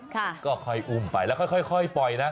ก็ค่อยอุ้มไปแล้วค่อยปล่อยนะ